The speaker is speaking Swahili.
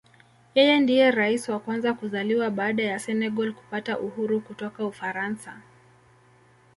Yeye ndiye Rais wa kwanza kuzaliwa baada ya Senegal kupata uhuru kutoka Ufaransa.